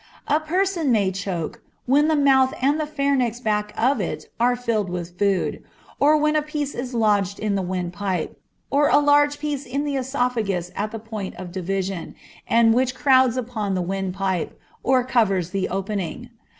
A person may choke, when the mouth and the pharynx back of it are filled with food; or when a piece is lodged in the wind pipe, or a large piece in the oesophagus at the point of division, and which crowds upon the windpipe, or covers the opening.